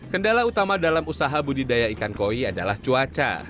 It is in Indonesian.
kendala utama dalam usaha budidaya ikan koi adalah cuaca